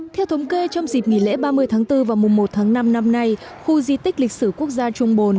theo thống kê trong dịp nghỉ lễ ba mươi tháng bốn và mùa một tháng năm năm nay khu di tích lịch sử quốc gia trung bồn